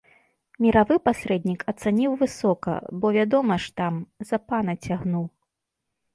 Міравы пасрэднік ацаніў высока, бо вядома ж, там, за пана цягнуў.